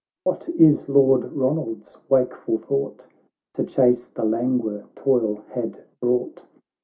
— What is Lord Ronald's wakeful thought, To chase the languor toil had brought?